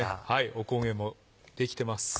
お焦げもできてます。